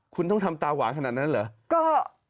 คุณต้องทำตาหวานขนาดนั้นเหรอ